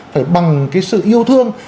phải bằng cái sự yêu thương